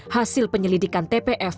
hasil penyelidikan tpf